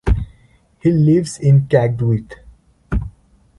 He lives in Cadgwith.